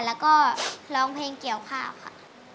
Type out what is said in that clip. แล้วก็ร้องเพลงเกี่ยวข้าวค่ะ